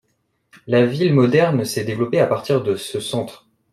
La ville moderne s'est développée à partir de ce centre.